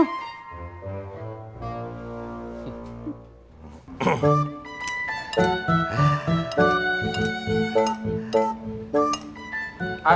masih nanya aja lo